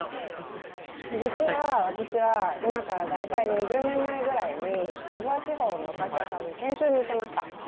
実は私は今から大体２０年前ぐらいにサヴォワ地方のお菓子屋さんに研修に行ってました。